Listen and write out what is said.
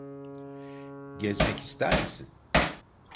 Gezmek ister misin?